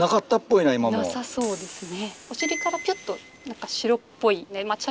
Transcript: なさそうですね。